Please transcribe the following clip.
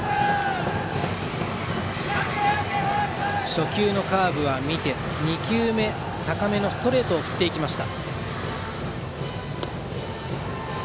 初球のカーブは見て２球目、高めのストレートを振っていきました。